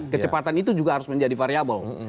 kecepatan itu juga harus menjadi variable